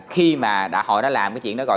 khi mà họ đã làm cái chuyện đó